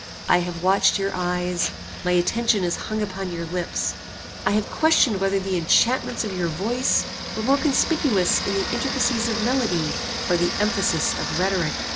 I have watched your eyes; my attention has hung upon your lips. I have questioned whether the enchantments of your voice were more conspicuous in the intricacies of melody, or the emphasis of rhetoric.